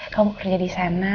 kamu kerja di sana